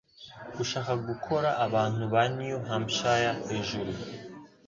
Gushaka gukora abantu ba New Hampshire hejuru.